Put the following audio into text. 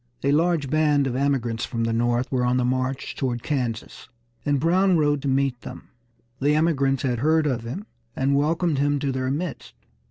A large band of emigrants from the North were on the march toward Kansas, and Brown rode to meet them. The emigrants had heard of him, and welcomed him to their midst.